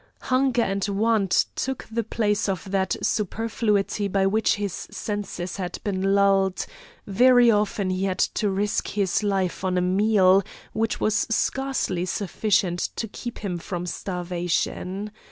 Hunger and want took the place of that superfluity by which his senses had been lulled; very often he had to risk his life on a meal, which was scarcely sufficient to keep him from starvation.